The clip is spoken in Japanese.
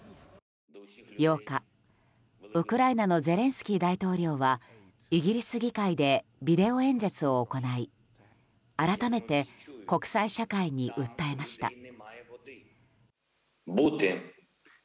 ８日、ウクライナのゼレンスキー大統領はイギリス議会でビデオ演説を行い改めて国際社会に訴えました。